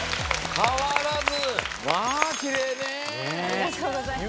変わらず。